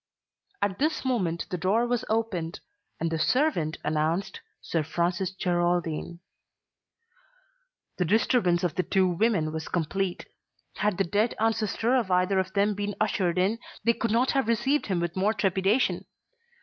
At this moment the door was opened and the servant announced Sir Francis Geraldine. The disturbance of the two women was complete. Had the dead ancestor of either of them been ushered in they could not have received him with more trepidation.